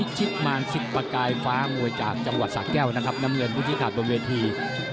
ใจฟ้างวยจากจังหวัดสะแก้วนะครับน้ำเนินพุทธิศาสตร์บนเวที